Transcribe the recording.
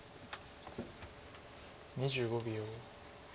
２５秒。